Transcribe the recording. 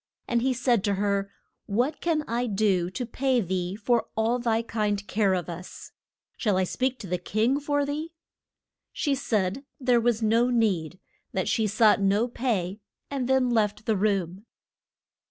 And he said to her, What can I do to pay thee for all thy kind care of us? Shall I speak to the king for thee? She said there was no need, that she sought no pay, and then left the room.